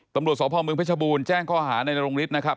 ตำรวจสอบภาคเมืองพฤชบูรณ์แจ้งข้ออาหารในโรงลิฟต์นะครับ